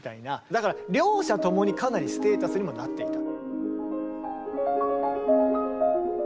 だから両者共にかなりステータスにもなっていた。